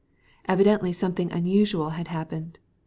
Obviously something unusual had happened.